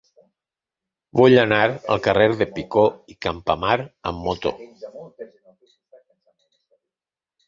Vull anar al carrer de Picó i Campamar amb moto.